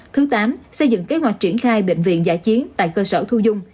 thứ tám xây dựng kế hoạch triển khai bệnh viện giả chiến tại cơ sở thu dung